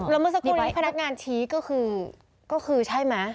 แล้วเมื่อสักครู่นี้พนักงานชี้ก็คือใช่ไหม